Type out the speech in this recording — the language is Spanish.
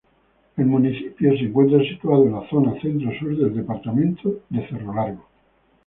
El municipio se encuentra situado en la zona centro-sur del departamento de Cerro Largo.